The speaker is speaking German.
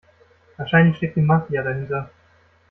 Wahrscheinlich steckt die Mafia dahinter.